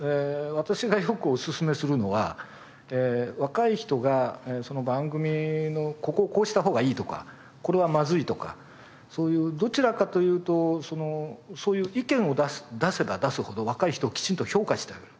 私がよくおすすめするのは若い人がその番組のここをこうした方がいいとかこれはまずいとかそういうどちらかというとそういう意見を出せば出すほど若い人をきちんと評価してあげる。